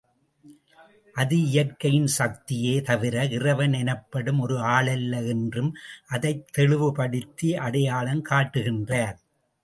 அது இயற்கையின் சக்தியே தவிர, இறைவன் எனப்படும் ஓர் ஆளல்ல என்றும் அதைத்தெளிவுபடுத்தி அடையாளம் காட்டுகின்றார்.